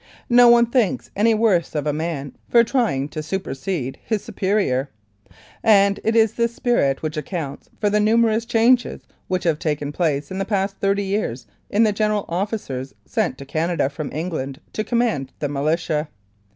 No one thinks any worse of a man for trying to super sede his superior, and it is this spirit which accounts for the numerous changes which have taken place in the past thirty years in the general officers sent to Canada from England to command the Militia.